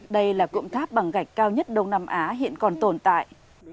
đây là cụm tháp bằng gạch cao nhất đông nam á hiện còn tồn tại